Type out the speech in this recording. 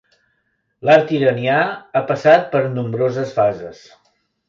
L'art iranià ha passat per nombroses fases.